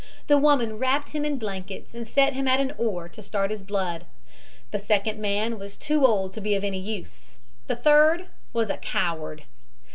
The woman wrapped him in blankets and set him at an oar to start his blood. The second man was too old to be of any use. The third was a coward.